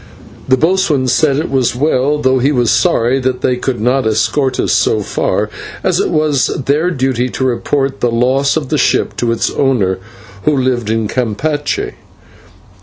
The boatswain said it was well, though he was sorry that they could not escort us so far, as it was their duty to report the loss of the ship to its owner, who lived at Campeche.